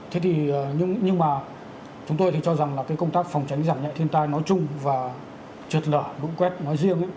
thế thì nhưng mà chúng tôi thì cho rằng là cái công tác phòng tránh giảm nhẹ thiên tai nói chung và trượt lở lũ quét nói riêng